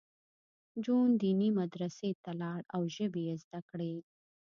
جون دیني مدرسې ته لاړ او ژبې یې زده کړې